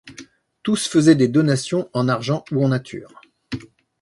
Tous faisaient des donations en argent ou en nature.